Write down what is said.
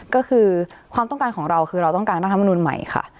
ก็คือความต้องการของเราคือเราต้องการรัฐมนุนใหม่ค่ะ